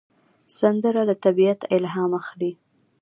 سندره له طبیعت الهام اخلي